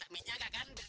aku juga ganteng